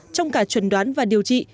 trong cả chuẩn đoán và điều trị